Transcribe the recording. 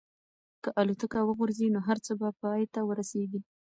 که الوتکه وغورځي نو هر څه به پای ته ورسېږي.